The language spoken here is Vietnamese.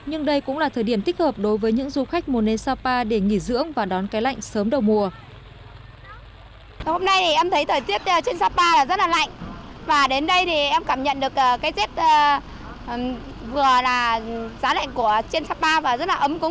nhưng đây cũng là thời điểm thích hợp đối với những du khách muốn đến sapa để nghỉ dưỡng và đón cái lạnh sớm đầu mùa